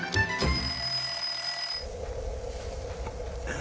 あ。